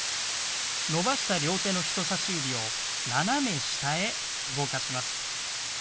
伸ばした両手の人さし指を斜め下へ動かします。